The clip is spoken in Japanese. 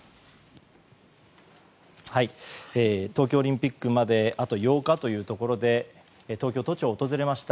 東京オリンピックまであと８日というところで東京都庁を訪れました